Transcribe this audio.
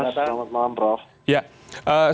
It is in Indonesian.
selamat malam mas